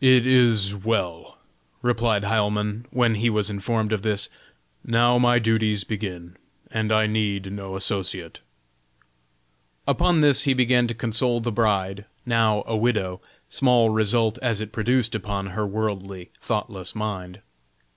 "It is well," replied Heilmann, when he was informed of this; "now my duties begin, and I need no associate." Upon this he began to console the bride, now a widow, small result as it produced upon her worldly thoughtless mind.